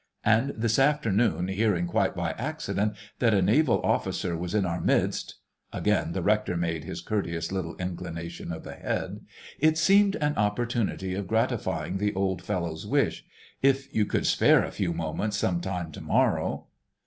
And this afternoon, hearing quite by accident that a Naval Officer was in our midst,"—again the rector made his courteous little inclination of the head—"it seemed an opportunity of gratifying the old fellow's wish—if you could spare a few moments some time to morrow...?"